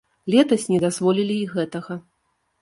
Летась не дазволілі і гэтага.